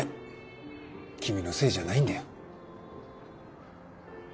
君のせいじゃないんだよ。